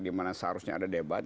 di mana seharusnya ada debat